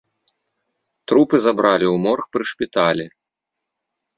Трупы забралі ў морг пры шпіталі.